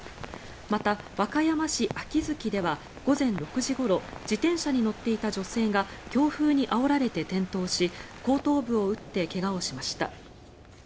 また、和歌山市秋月では午前６時ごろ自転車に乗っていた女性が強風にあおられて転倒し後頭部を打って怪我をしました。